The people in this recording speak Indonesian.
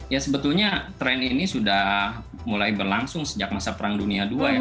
ya sebetulnya tren ini sudah mulai berlangsung sejak masa perang dunia ii ya